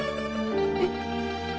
えっ。